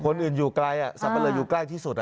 คนอื่นอยู่ใกล้สำเร็จอยู่ใกล้ที่สุด